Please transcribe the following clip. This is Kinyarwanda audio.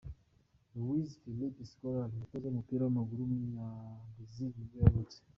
Luiz Felipe Scolari, umutoza w’umupira w’amaguru w’umunyabrazil nibwo yavutse.